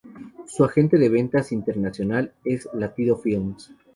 Su agente de ventas internacional es Latido Films.